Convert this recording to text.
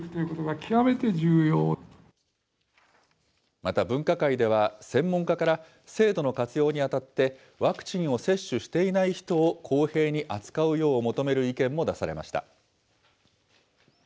また分科会では、専門家から、制度の活用にあたってワクチンを接種していない人を公平に扱うよう求める意見も出されました。